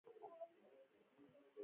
د پیرودونکي قناعت د وفادارۍ راز دی.